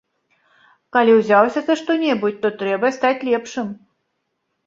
Калі ўзяўся за што-небудзь, то трэба стаць лепшым.